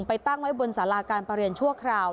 ตั้งไว้บนสาราการประเรียนชั่วคราว